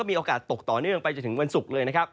และมีโอกาสตกต่อเนื่องไปจนถึงวันศุกร์